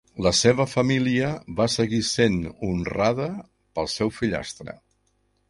La seva família va seguir sent honrada pel seu fillastre.